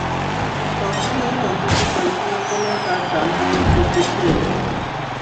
তখনই যন্ত্রটি চালু হয়ে গেলে তাঁর ডান হাতের কবজি ছিঁড়ে যায়।